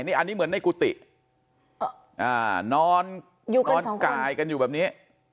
นี่อันนี้เหมือนในกุฏิอ่านอนอยู่กันสองคนนอนกายกันอยู่แบบนี้